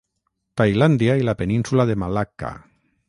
Tailàndia i la península de Malacca.